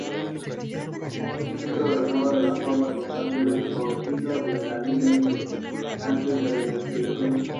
El Centro renueva de forma constante su portfolio de líneas e intereses de investigación.